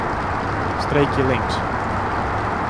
Streekje links.